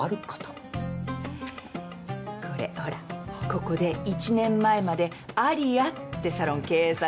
ここで１年前までアリアってサロン経営されてた。